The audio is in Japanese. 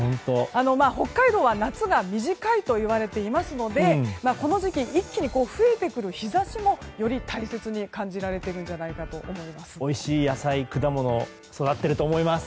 北海道は夏が短いといわれていますのでこの時期、一気に増えてくる日差しもより大切に感じられるとおいしい野菜、果物育っていると思います。